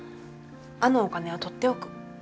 あのお金は取っておく。